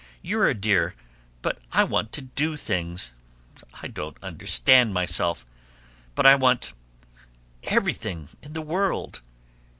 You're a dear, but I want to do things. I don't understand myself but I want everything in the world!